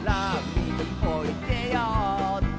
「みにおいでよって」